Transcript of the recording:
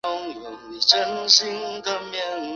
瞬间的高压电流